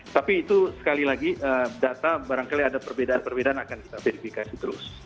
tapi itu sekali lagi data barangkali ada perbedaan perbedaan akan kita verifikasi terus